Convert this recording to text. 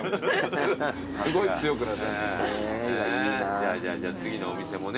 じゃあじゃあじゃあ次のお店もね